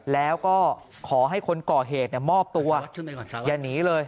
แล้วก็ขอให้คนก่อเหตุมอบตัวอย่าหนีเลย